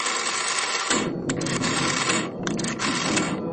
ওকে লাশের মতো পা বাঁধতে নিষেধ করো।